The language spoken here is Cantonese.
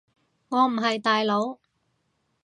我唔係大佬